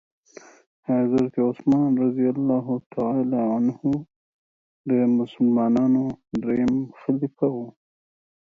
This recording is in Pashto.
حضرت عثمان رضي الله تعالی عنه د مسلمانانو دريم خليفه وو.